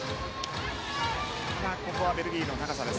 ここはベルギーの高さです。